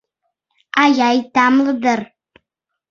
«Ай-ай, тамле дыр!